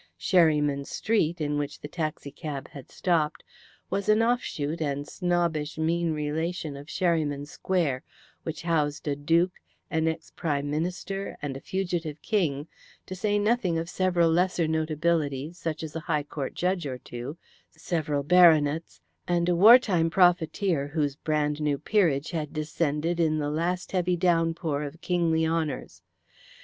Sherryman Street, in which the taxi cab had stopped, was an offshoot and snobbish mean relation of Sherryman Square, which housed a duke, an ex prime minister, and a fugitive king, to say nothing of several lesser notabilities, such as a High Court Judge or two, several baronets, and a war time profiteer whose brand new peerage had descended in the last heavy downpour of kingly honours.